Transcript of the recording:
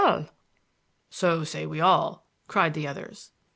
"So say we all!" cried the others.